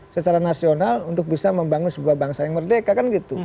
secara nasional untuk bisa membangun sebuah bangsa yang merdeka